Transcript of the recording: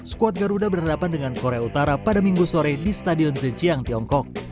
skuad garuda berhadapan dengan korea utara pada minggu sore di stadion zejiang tiongkok